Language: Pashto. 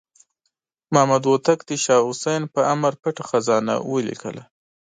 محمد هوتک د شاه حسین په امر پټه خزانه ولیکله.